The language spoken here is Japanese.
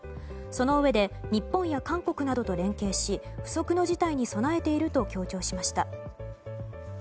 そのうえで日本や韓国などと連携し不測の事態に備えていると強調しました。